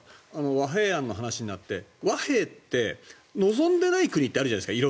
和平案の話になって和平って望んでない国ってあるじゃないですか。